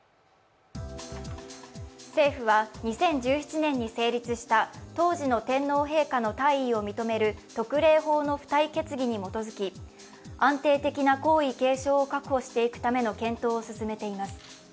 政府は２０１７年に成立した当時の天皇陛下の退位を認める特例法の付帯決議に基づき、安定的な皇位継承を確保していくための検討を進めています。